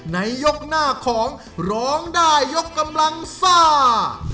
ในยกหน้าของร้องได้ยกกำลังซ่า